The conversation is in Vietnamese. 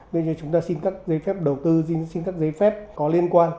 bây giờ chúng ta xin các giấy phép đầu tư xin các giấy phép có liên quan